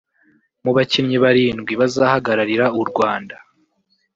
Mu bakinnyi barindwi bazahagararira u Rwanda